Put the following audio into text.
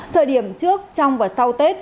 thời điểm trước trong và sau tết